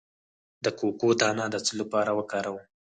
د کوکو دانه د څه لپاره وکاروم؟